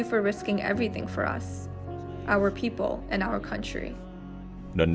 terima kasih untuk menghargai segalanya untuk kami